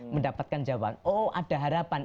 mendapatkan jawaban oh ada harapan